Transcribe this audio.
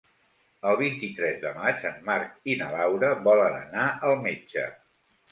El vint-i-tres de maig en Marc i na Laura volen anar al metge.